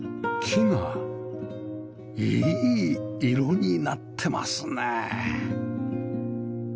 木がいい色になってますね